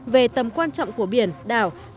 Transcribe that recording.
về tầm quan trọng của biển đảo